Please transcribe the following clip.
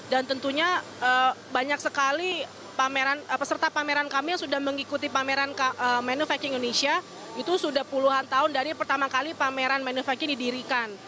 dan tentunya banyak sekali peserta pameran kami yang sudah mengikuti pameran manufacturing indonesia itu sudah puluhan tahun dari pertama kali pameran manufacturing didirikan